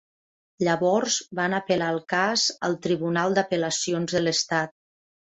Llavors, van apel·lar el cas al tribunal d'apel·lacions de l'estat.